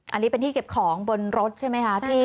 อันนี้เป็นที่เก็บของบนรถใช่ไหมคะ